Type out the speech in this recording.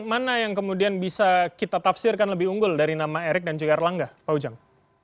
mana yang kemudian bisa kita tafsirkan lebih unggul dari nama erick dan juga erlangga pak ujang